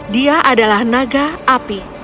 dia adalah naga api